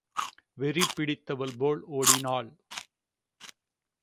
வெறி பிடித்தவள்போல் ஓடினாள்.